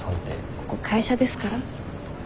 ここ会社ですから。